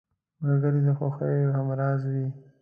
ملګری د خوښیو همراز وي